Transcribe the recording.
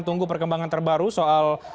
tunggu perkembangan terbaru soal